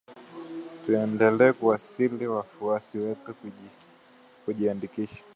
Tunaendelea kuwasihi wafuasi wetu kujiandikisha